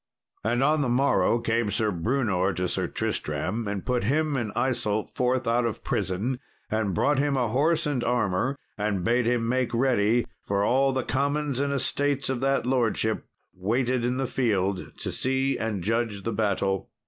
And on the morrow came Sir Brewnor to Sir Tristram, and put him and Isault forth out of prison, and brought him a horse and armour, and bade him make ready, for all the commons and estates of that lordship waited in the field to see and judge the battle.